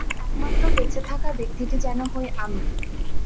একমাত্র বেঁচে থাকা ব্যক্তিটি যেন হই আমি।